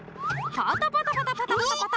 パタパタパタパタパタパタ。